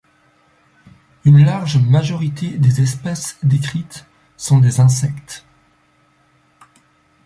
Une large majorité des espèces décrites sont des insectes.